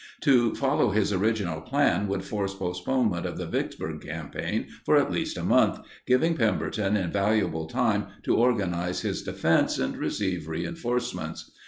To follow his original plan would force postponement of the Vicksburg campaign for at least a month, giving Pemberton invaluable time to organize his defense and receive reinforcements.